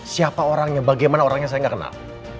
siapa orangnya bagaimana orangnya saya nggak kenal